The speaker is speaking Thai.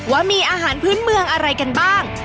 ว่ามีอาหารพื้นเมืองอะไรกันบ้าง